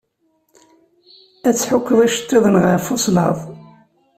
Ad tḥukkeḍ icettiḍen ɣef uslaḍ.